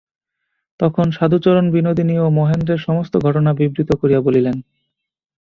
তখন সাধুচরণ বিনোদিনী ও মহেন্দ্রের সমস্ত ঘটনা বিবৃত করিয়া বলিলেন।